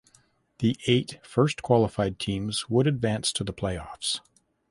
The eight first qualified teams would advanced to the playoffs.